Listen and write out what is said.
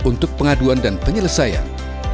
untuk pengaduan dan penyelesaian